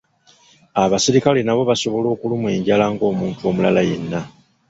Abasirikale nabo basobola okulumwa enjala ng'omuntu omulala yenna.